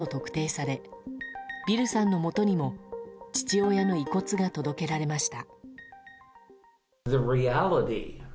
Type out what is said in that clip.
身元が次々と特定されビルさんのもとにも父親の遺骨が届けられました。